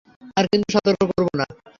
আর কিন্তু সতর্ক করবো না।